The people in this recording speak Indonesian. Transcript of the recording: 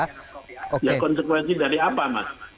ya konsekuensi dari apa mas